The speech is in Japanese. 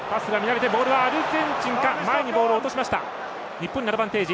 日本にアドバンテージ。